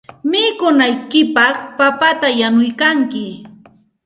Mikunankupaq papata yanuykalkanki.